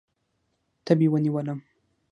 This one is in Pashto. تبې ونیولم.